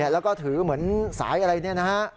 แล้วก็ถือเหมือนสายอะไรเนี่ยนะฮะ